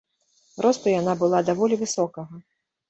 Росту яна была даволі высокага.